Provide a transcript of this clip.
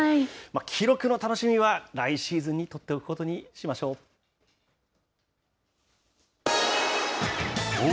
記録の楽しみは来シーズンに取っておくことにしましょう。